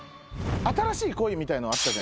新しい恋みたいのあった。